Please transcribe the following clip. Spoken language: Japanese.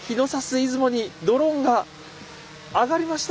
出雲にドローンが上がりました。